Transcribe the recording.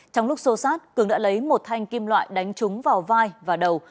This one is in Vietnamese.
trong lúc xô sát cường đã lấy một thanh kim loại đánh trúng vào vai và đầu